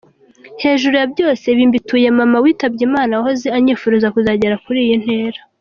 Hejuru ya byose ibi mbituye mama witabye Imana wahoze anyifuriza kuzagera kuri iyi ntera…”.